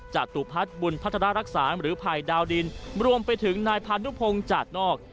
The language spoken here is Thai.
จตุพัฒน์บุญพัฒนารักษาหรือภัยดาวดินรวมไปถึงนายพานุพงศ์จากนอก